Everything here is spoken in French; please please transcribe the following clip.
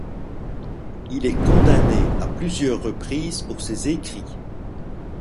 Il est condamné à plusieurs reprises pour ses écrits.